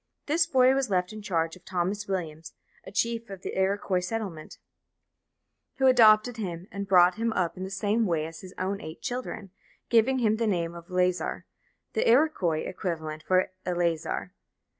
This boy was left in charge of Thomas Williams, a chief of the Iroquois settlement, who adopted him and brought him up in the same way as his own eight children, giving him the name of Lazar, the Iroquois equivalent for Eleazar.